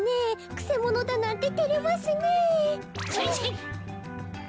くせものだなんててれますねえ。